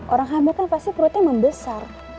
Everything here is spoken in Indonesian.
orang hamil kan pasti perutnya membesar